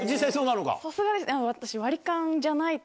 さすがですね私。